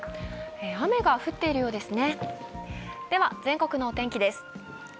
雨が降っているようですね。